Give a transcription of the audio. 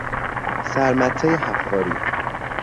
سر مته حفاری